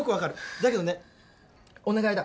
だけどねお願いだ。